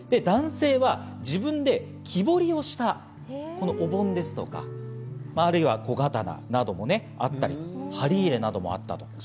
男性は自分で木彫りをしたこのお盆ですとか、あるいは小刀などがあったりと、針入れなどもあったと。